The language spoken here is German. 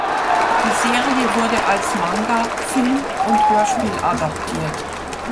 Die Serie wurde als Manga, Film und Hörspiel adaptiert.